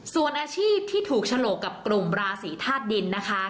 ส่วนอาชีพที่ถูกฉลกกับกลุ่มราศีธาตุดินนะคะ